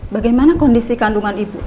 bagaimana kondisi kandungan ibu